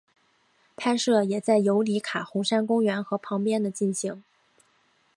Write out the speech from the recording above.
拍摄也在尤里卡红杉公园和旁边的进行。